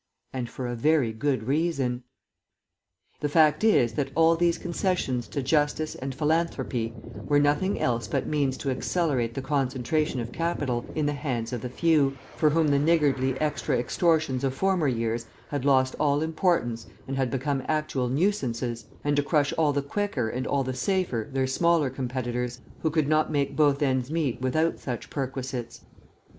And for a very good reason. The fact is, that all these concessions to justice and philanthropy were nothing else but means to accelerate the concentration of capital in the hands of the few, for whom the niggardly extra extortions of former years had lost all importance and had become actual nuisances; and to crush all the quicker and all the safer their smaller competitors, who could not make both ends meet without such perquisites.